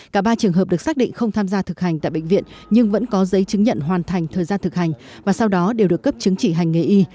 cả ba trường hợp được xác định không tham gia thực hành tại bệnh viện nhưng vẫn có giấy chứng nhận hoàn thành thời gian thực hành và sau đó đều được cấp chứng chỉ hành nghề y